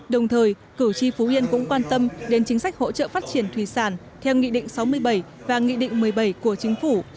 đồng thời cử tri phú yên cũng quan tâm đến chính sách hỗ trợ phát triển thủy sản theo nghị định sáu mươi bảy và nghị định một mươi bảy của chính phủ